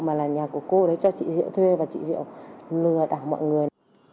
mà là nhà của cô đấy cho chị diệu thuê và chị diệu lừa đảo mọi người